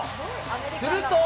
すると。